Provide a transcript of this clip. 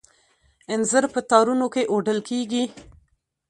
انځر په تارونو کې اوډل کیږي.